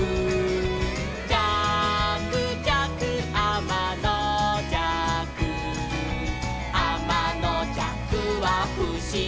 「じゃくじゃくあまのじゃく」「あまのじゃくはふしぎ」